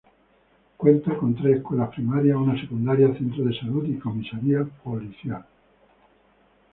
Cuenta con tres escuelas primarias, una secundaria, centro de salud y comisaría policial.